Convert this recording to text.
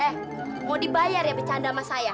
eh mau dibayar ya bercanda sama saya